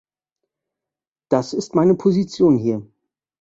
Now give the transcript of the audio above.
Das ist meine Position hier.